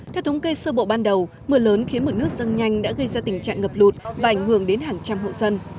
theo thống kê sơ bộ ban đầu mưa lớn khiến mực nước dâng nhanh đã gây ra tình trạng ngập lụt và ảnh hưởng đến hàng trăm hộ dân